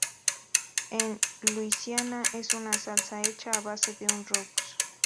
En Luisiana es una salsa hecha a base de un roux.